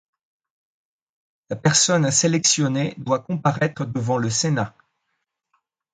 La personne sélectionnée doit comparaître devant le Sénat.